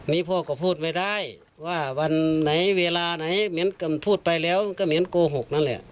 นี่พ่อก็พูดไม่ได้ว่าวันไหนเวลาไหนเหมือนพูดไปแล้วก็เหมือนโกหกนั่นแหละ